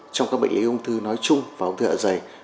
trong các bệnh lý ung thư nói chung và ung thư dạ dày